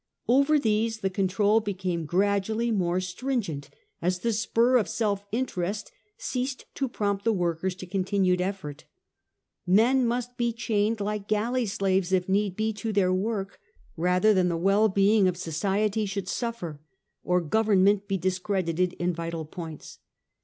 Over these the control became gradually more strin gent as the spur of self interest ceased to prompt the workers to continued effort. Men must be chained, like galley slaves if need be, to their work, rather than the well being of society should suffer, or government be dis credited in vital points.